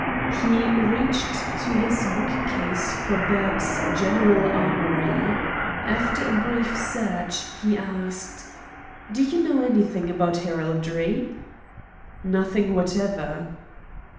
He reached to his bookcase for Burke's "General Armoury." After a brief search, he asked: "Do you know anything about heraldry?" "Nothing whatever."